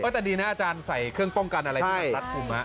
แต่ดีนะอาจารย์ใส่เครื่องป้องกันอะไรที่มันรัดกลุ่ม